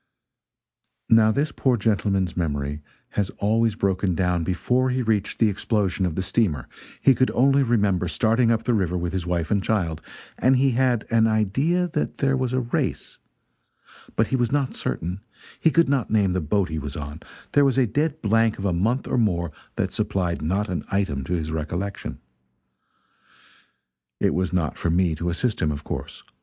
Now this poor gentleman's memory has always broken down before he reached the explosion of the steamer; he could only remember starting up the river with his wife and child, and he had an idea that there was a race, but he was not certain; he could not name the boat he was on; there was a dead blank of a month or more that supplied not an item to his recollection. It was not for me to assist him, of course.